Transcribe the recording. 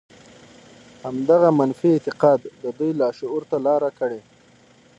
همدغه منفي اعتقاد د دوی لاشعور ته لاره کړې.